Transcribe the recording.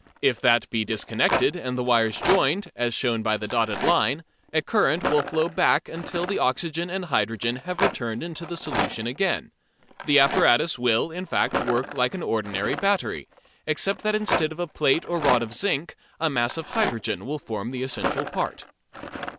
If that be disconnected, and the wires joined, as shown by the dotted line, a current will flow back until the oxygen and hydrogen have returned into the solution again. The apparatus will, in fact, work like an ordinary battery, except that instead of a plate or rod of zinc a mass of hydrogen will form the essential part.